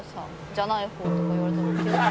“じゃない方”とか言われたら」